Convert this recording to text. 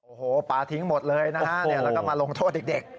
โอ้โหปลาทิ้งหมดเลยนะฮะแล้วก็มาลงโทษเด็ก